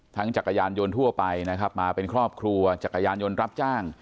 จักรยานยนต์ทั่วไปนะครับมาเป็นครอบครัวจักรยานยนต์รับจ้าง